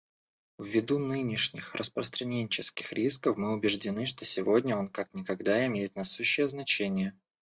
Ввиду нынешних распространенческих рисков мы убеждены, что сегодня он как никогда имеет насущное значение.